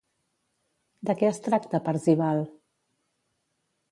De què es tracta Parzival?